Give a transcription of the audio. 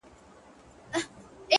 • د تیارې غېږي ته درومم ,